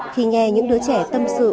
khi nghe những đứa trẻ tâm sự